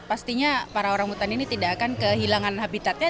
pastinya para orangutan ini tidak akan kehilangan habitatnya